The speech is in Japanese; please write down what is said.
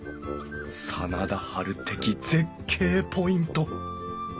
真田ハル的絶景ポイント。